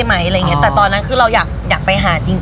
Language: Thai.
เป็นรถได้ไหมอะไรอย่างเงี้ยแต่ตอนนั้นคือเราอยากอยากไปหาจริง